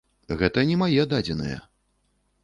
Гэта не мае дадзеныя.